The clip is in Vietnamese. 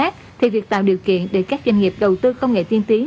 thì việc tạo điều kiện để các doanh nghiệp đầu tư công nghệ tiên tiến